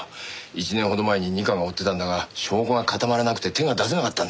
１年ほど前に二課が追ってたんだが証拠が固まらなくて手が出せなかったんだよな。